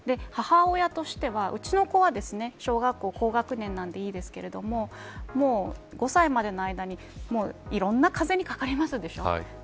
母親としてはうちの子は小学校高学年なんでいいですがもう、５歳までの間にいろんな風邪にかかりますでしょ。